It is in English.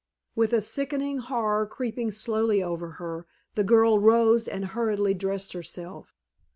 With a sickening horror creeping slowly over her, the girl rose and hurriedly dressed herself.